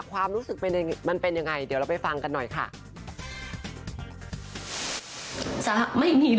ความรู้สึกมันเป็นยังไงเดี๋ยวเราไปฟังกันหน่อยค่ะ